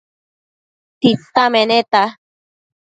Tita meneta